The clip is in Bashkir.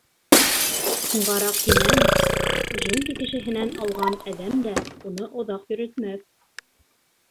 Һуңғараҡ һинән — джунгли кешеһенән алған әҙәм дә уны оҙаҡ йөрөтмәҫ.